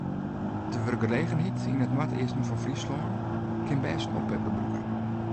De wurkgelegenheid yn it noardeasten fan Fryslân kin bêst in oppepper brûke.